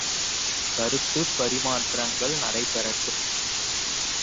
கருத்துப் பரிமாற்றங்கள் நடை பெறட்டும்!